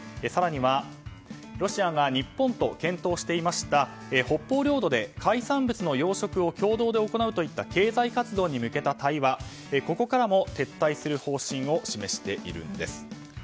更にはロシアが日本と検討していた北方領土で海産物の養殖を共同で行うといった経済活動に向けた対話からも撤退する方針を示しているんです。